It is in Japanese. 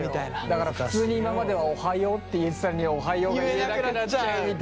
だから普通に今までは「おはよう」って言えてたのに「おはよう」言えなくなっちゃうみたいな。